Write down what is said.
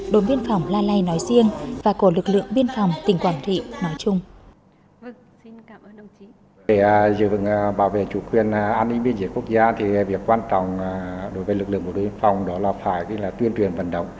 đồn biên phòng la lai nói riêng và của lực lượng biên phòng tỉnh quảng trị nói chuyện